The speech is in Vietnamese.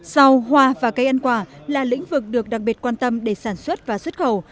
rau hoa và cây ăn quả là lĩnh vực được đặc biệt quan tâm để sản xuất và xuất khẩu